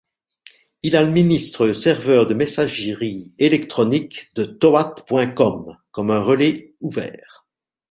Il administre le serveur de messagerie électronique de toad.com comme un relais ouvert.